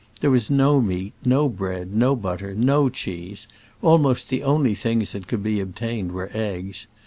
There was no meat, no bread, no but ter, no cheese : almost the only things that could be obtained were eggs.